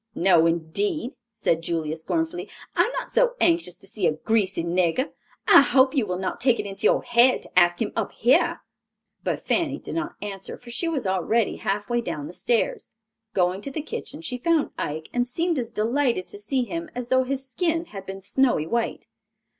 "No, indeed," said Julia, scornfully, "I am not so anxious to see a greasy nigger. I hope you will not take it into your head to ask him up here." But Fanny did not answer, for she was already half way down the stairs. Going to the kitchen she found Ike and seemed as delighted to see him as though his skin had been snowy white.